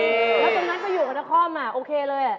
แล้วตรงนั้นก็อยู่กับนครโอเคเลย